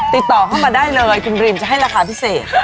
ติดต่อเข้ามาได้เลยคุณรีมจะให้ราคาพิเศษ